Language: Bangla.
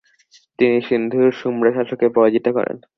তিনি সিন্ধুর সুম্রা শাসকের পরাজিত করেণ।